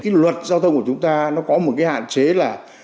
cái luật giao thông của chúng ta nó có một cái hạn chế là